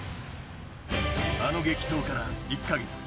あの激闘から１か月。